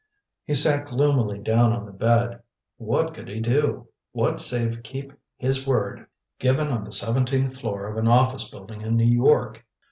He sat gloomily down on the bed. What could he do? What save keep his word, given on the seventeenth floor of an office building in New York?